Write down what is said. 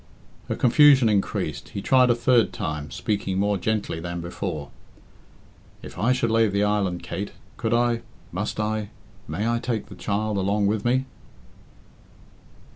Her confusion increased. He tried a third time, speaking more gently than before. "If I should lave the island, Kate, could I must I may I take the child along with me?"